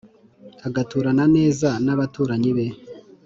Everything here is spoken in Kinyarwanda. Agaturana neza nabaturanyi be